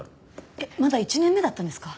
えっまだ１年目だったんですか？